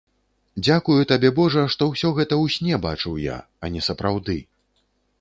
Дзякую табе, божа, што ўсё гэта ў сне бачыў я, а не сапраўды.